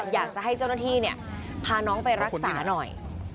อยากจะให้เจ้าหน้าที่พาน้องไปรักษาหน่อย